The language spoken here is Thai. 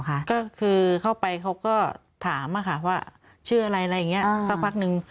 ก็คือเข้าไปเขาก็ถามว่าชื่ออะไรอะไรอย่างนี้สักพักนึง